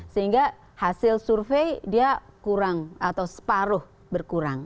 sehingga hasil survei dia kurang atau separuh berkurang